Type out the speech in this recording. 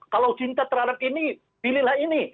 kalau cinta terhadap ini pilihlah ini